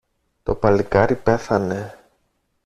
Το παλικάρι πέθανε.